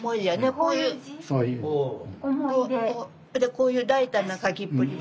こういう大胆な書きっぷりは。